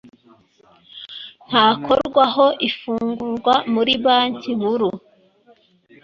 ntakorwaho ifungurwa muri banki nkuru